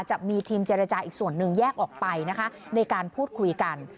จะมีทีมเจรจาอีกส่วนหนึ่งแยกออกไปนะคะในการพูดคุยกัน